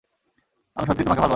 আমি সত্যিই তোমাকে ভালোবাসি।